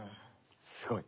すごい。